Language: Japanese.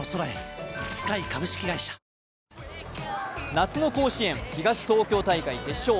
夏の甲子園東東京大会決勝。